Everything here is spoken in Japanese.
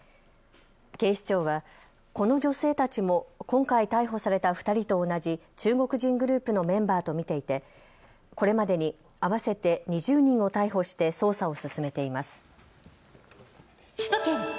警視庁はこの女性たちも今回、逮捕されたた２人と同じ中国人グループのメンバーと見ていてこれまでに合わせて２０人を逮捕して捜査を進めています。